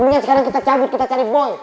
mungkin sekarang kita cabut kita cari boy